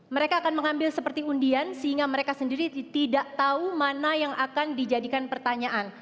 mereka akan mengambil seperti undian sehingga mereka sendiri tidak tahu mana yang akan dijadikan pertanyaan